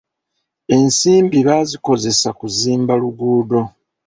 Ensimbi baazikozesa kuzimba luguudo.